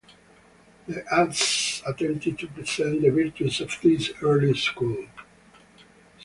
The ads attempted to present the virtues of these early schools.